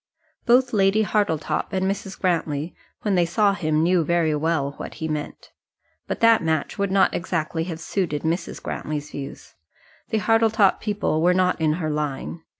Both Lady Hartletop and Mrs. Grantly, when they saw him, knew very well what he meant. But that match would not exactly have suited Mrs. Grantly's views. The Hartletop people were not in her line.